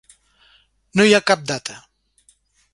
No hi ha cap data.